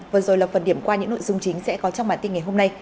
vừa rồi là phần điểm qua những nội dung chính sẽ có trong bản tin ngày hôm nay